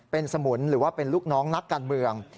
เป็นสมุนหรือว่าเป็นลูกน้องนักการเมือง